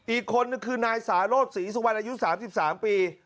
อีกคนนึงคือนายสารสีสวรรค์อายุ๓๓ปี